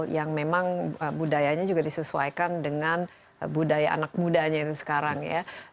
yang memang budayanya juga disesuaikan dengan budaya anak mudanya itu sekarang ya